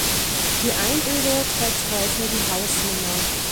Die Einöde trägt heute die Haus Nr.